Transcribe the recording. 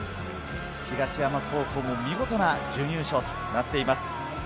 東山高校も見事な準優勝となっています。